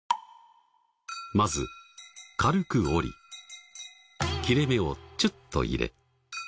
まず軽く折り切れ目をチュッと入れ